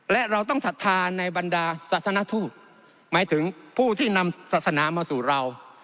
และเราต้องศรัทธาในบรรดาศาสนทูตหมายถึงผู้ที่นำศาสนามาสู่เรา